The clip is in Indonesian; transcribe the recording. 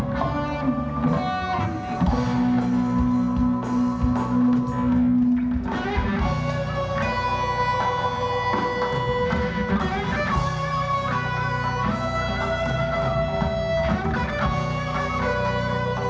kolepatan balon yang berlaku oleh bapak gubernur dua baru